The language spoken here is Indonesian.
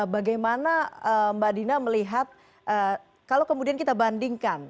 bagaimana mbak dina melihat kalau kemudian kita bandingkan